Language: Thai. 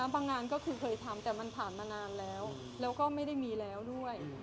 งานก็คือเคยทำแต่มันผ่านมานานแล้วแล้วก็ไม่ได้มีแล้วด้วย